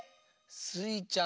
スイちゃん